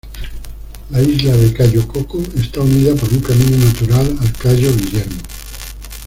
La isla de Cayo Coco está unida por un camino natural al Cayo Guillermo.